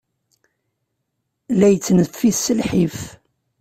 La yettneffis s lḥif.